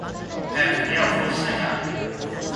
早く部屋を掃除しなきゃ